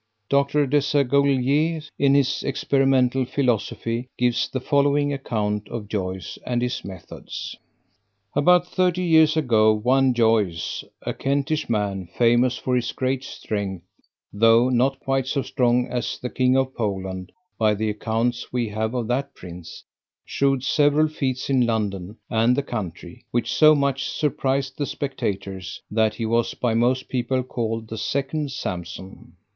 Dr. Desaguliers, in his Experimental Philosophy, gives the following account of Joyce and his methods. About thirty years ago one Joyce, a Kentish man, famous for his great strength (tho' not quite so strong as the King of Poland, by the accounts we have of that Prince) shewed several feats in London and the country, which so much surprised the spectators, that he was by most people called the second Sampson.